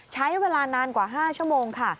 ใช้เวลานานกว่า๕ชั่วโมงค่ะ